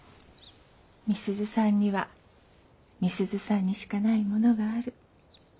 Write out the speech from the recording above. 美鈴さんには美鈴さんにしかないものがある。